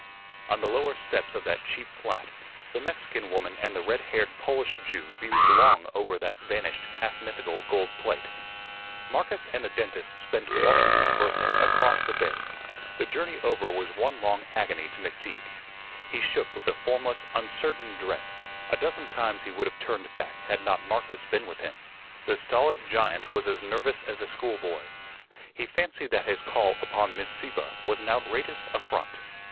On the lower steps of that cheap flat, the Mexican woman and the red haired Polish Jew mused long over that vanished, half mythical gold plate. Marcus and the dentist spent Washington's Birthday across the bay. The journey over was one long agony to McTeague. He shook with a formless, uncertain dread; a dozen times he would have turned back had not Marcus been with him. The stolid giant was as nervous as a schoolboy. He fancied that his call upon Miss Sieppe was an outrageous affront.